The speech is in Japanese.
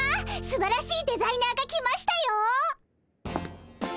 すばらしいデザイナーが来ましたよ。